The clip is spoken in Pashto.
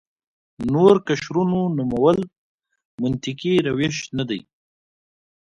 نور قشرونو نومول منطقي روش نه دی.